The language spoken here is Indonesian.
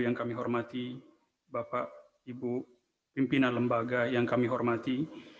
yang kami hormati bapak ibu pimpinan lembaga yang kami hormati